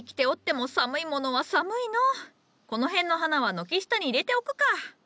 この辺の花は軒下に入れておくか。